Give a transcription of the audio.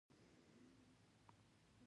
د ایران دښتي پیشو نایابه ده.